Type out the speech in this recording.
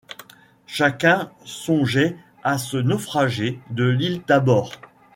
Chacun songeait à ce naufragé de l’île Tabor